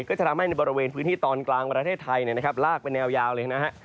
ก็จะทำให้ในบริเวณพื้นที่ตอนกลางประเทศไทยลากเป็นแนวยาวเลยนะฮะ